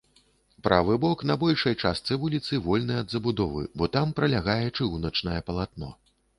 Правы бок на большай частцы вуліцы вольны ад забудовы, бо там пралягае чыгуначнае палатно.